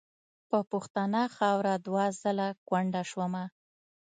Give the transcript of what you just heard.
په پښتنه خاوره دوه ځله کونډه شومه .